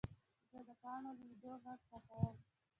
زه د پاڼو لوېدو غږ خوښوم.